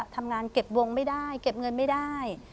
ทำงานเก็บวงไม่ได้เก็บเงินไม่ได้